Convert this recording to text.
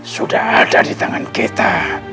sudah ada di tangan kita